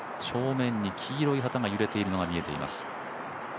正面に黄色い旗が揺れているのが見えています。